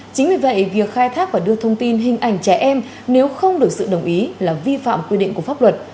chính vì vậy việc khai thác và đưa thông tin hình ảnh trẻ em nếu không được sự đồng ý là vi phạm quy định của pháp luật